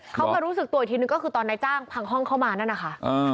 เขามารู้สึกตัวอีกทีนึงก็คือตอนนายจ้างพังห้องเข้ามานั่นนะคะ